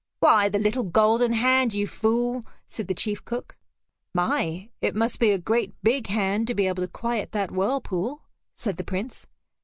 "Why the little golden hand, you fool," said the chief cook. "My! it must be a great big hand to be able to quiet that whirlpool," said the Prince.